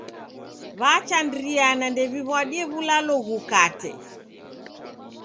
W'achandiriana ndew'iw'adie w'ulalo ghukate.